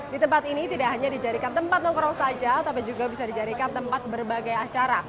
di tempat ini tidak hanya dijadikan tempat nongkrong saja tapi juga bisa dijadikan tempat berbagai acara